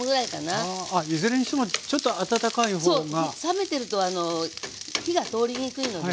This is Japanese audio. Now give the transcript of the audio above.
冷めてると火が通りにくいのでね。